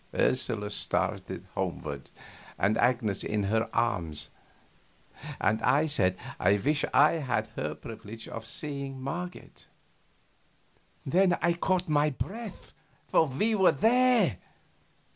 Ursula started homeward, with Agnes in her arms, and I said I wished I had her privilege of seeing Marget. Then I caught my breath, for we were there.